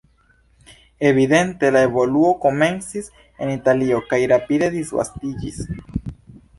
Evidente la evoluo komencis en Italio kaj rapide disvastiĝis.